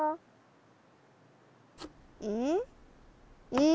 うん？